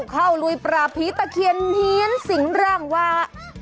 ลุยปราบผีตะเคียนเฮียนสิงร่างว่า